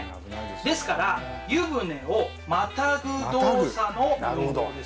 ですから湯船をまたぐ動作の運動ですよ。